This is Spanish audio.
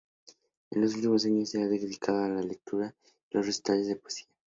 En los últimos años, se ha dedicado a la lectura de recitales de poesía.